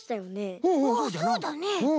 そうだね。